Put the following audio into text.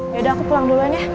yaudah aku pulang duluan ya